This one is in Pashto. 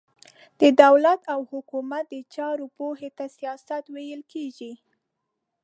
د دولت او حکومت د چارو پوهي ته سياست ويل کېږي.